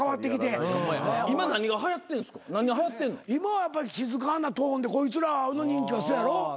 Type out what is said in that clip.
今はやっぱり静かなトーンでこいつらの人気はせやろ？